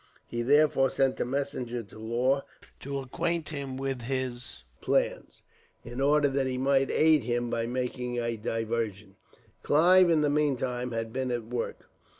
He therefore sent a messenger to Law, to acquaint him with his plans, in order that he might aid him by making a diversion. Clive, in the meantime, had been at work.